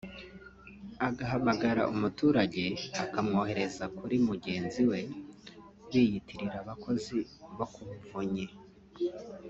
agahamagara umuturage akamwohereza kuri mugenzi we biyitirira abakozi bo ku muvunyi